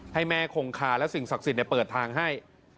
ให้แม่คงคาและสิ่งศักดิ์สิทธิ์เปิดทางให้